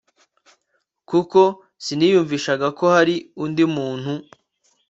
kuko siniyumvishaga ko hari undi muntu